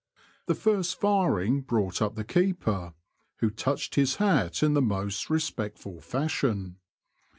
The first firing brought up the keeper, who touched his hat in the most respectful fashion.